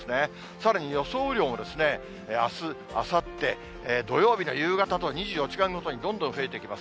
さらに予想雨量もあす、あさって、土曜日の夕方と、２４時間ごとにどんどん増えていきます。